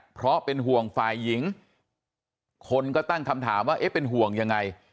เพราะเป็นห่วงฝ่ายหญิงคนก็ตั้งคำถามว่าเอ๊ะเป็นห่วงยังไง